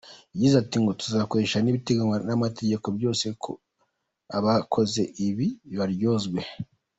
Yagize ati: "Tuzakoresha ibiteganywa n'amategeko byose ngo abakoze ibi babiryozwe".